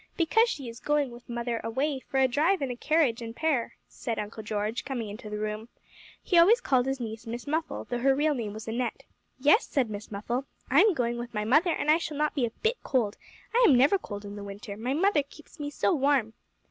Because she is going with mother away For a drive in a carriage and pair,' said Uncle George, coming into the room. He always called his niece Miss Muffle, though her real name was Annette. 'Yes,' said Miss Muffle, 'I am going with my mother, and I shall not be a bit cold. I am never cold in the winter; my mother keeps me so warm.